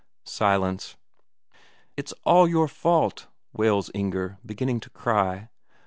Silence. "It's all your fault," wails Inger, beginning to cry.